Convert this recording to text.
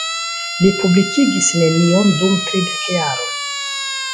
Li publikigis nenion dum tridek jaroj.